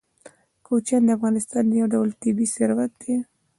کوچیان د افغانستان یو ډول طبعي ثروت دی.